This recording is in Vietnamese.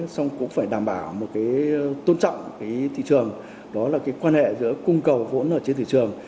xong cũng phải đảm bảo một cái tôn trọng cái thị trường đó là cái quan hệ giữa cung cầu vốn ở trên thị trường